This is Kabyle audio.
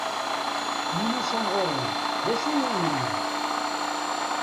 Mi n-usan ɣur-wen, d acu i awen-nnan?